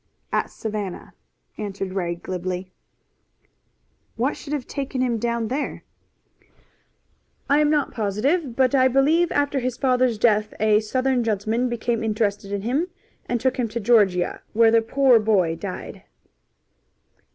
"At Savannah," answered Ray glibly. "What should have taken him down there?" "I am not positive, but I believe after his father's death a Southern gentleman became interested in him and took him to Georgia, where the poor boy died."